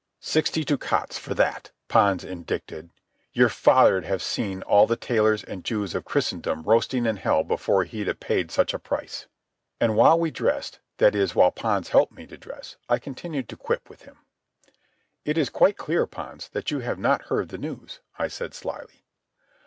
"Sixty ducats for that," Pons indicted. "Your father'd have seen all the tailors and Jews of Christendom roasting in hell before he'd a paid such a price." And while we dressed—that is, while Pons helped me to dress—I continued to quip with him. "It is quite clear, Pons, that you have not heard the news," I said slyly.